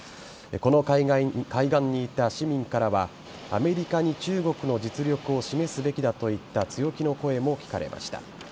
この海岸にいた市民からはアメリカに中国の実力を示すべきだといった強気の声も聞かれました。